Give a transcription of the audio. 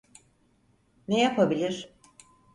Ne yapabilir?